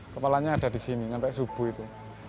kepalanya ada di sini sampai subuh itu